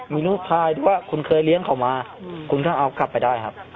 มีธุรกิจว่าคุณเคยเลี้ยงเขามาคุณก็เอากลับไปได้ครับ